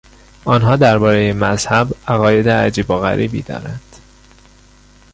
آنها دربارهی مذهب عقاید عجیب و غریبی دارند.